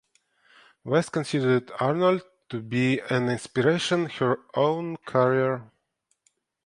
West considered Arnold to be an inspiration her own career.